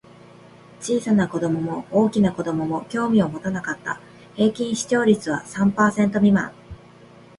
小さな子供も大きな子供も興味を持たなかった。平均視聴率は三パーセント未満。